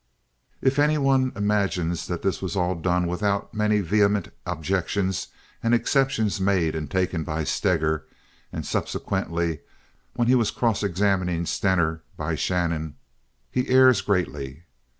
If any one imagines that all this was done without many vehement objections and exceptions made and taken by Steger, and subsequently when he was cross examining Stener, by Shannon, he errs greatly.